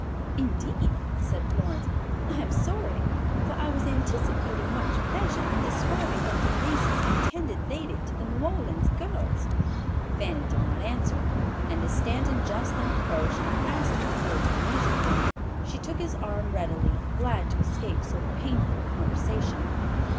"Indeed," said Florence. "I am sorry, for I was anticipating much pleasure in describing Dr. Lacey's intended lady to the New Orleans girls." Fanny did not answer, and as Stanton just then approached, and asked her to go to the music room, she took his arm readily, glad to escape so painful a conversation.